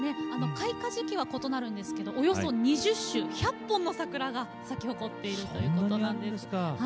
開花時期は異なるんですけど、２０種１００本の桜が咲き誇っているということなんです。